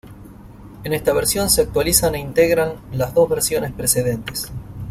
En esta versión se actualizan e integran las dos versiones precedentes.